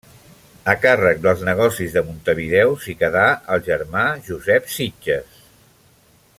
A càrrec dels negocis de Montevideo s’hi quedà el germà Josep Sitges.